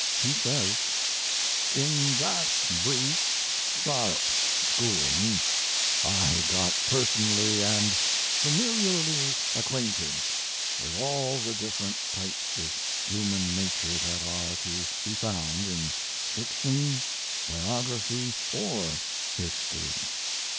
He says: In that brief, sharp schooling I got personally and familiarly acquainted with all the different types of human nature that are to be found in fiction, biography, or history.